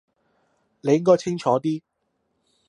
你應該清楚啲